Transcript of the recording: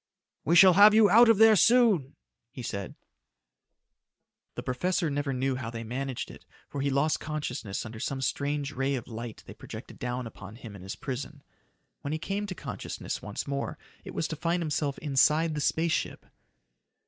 "We shall have you out of there soon," he said. The professor never knew how they managed it for he lost consciousness under some strange ray of light they projected down upon him in his prison. When he came to consciousness once more, it was to find himself inside the space ship.